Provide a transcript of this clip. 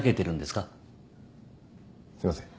すいません。